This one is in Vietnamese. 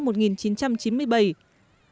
thực hiện nghị quyết số ba mươi